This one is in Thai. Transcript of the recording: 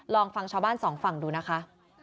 ลองฟังชาวบ้านสองฝั่งดูนะคะ